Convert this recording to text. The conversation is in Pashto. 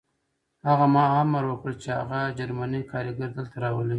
هغه امر وکړ چې هغه جرمنی کارګر دلته راولئ